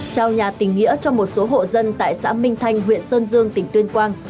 trao nhà tình nghĩa cho một số hộ dân tại xã minh thanh huyện sơn dương tỉnh tuyên quang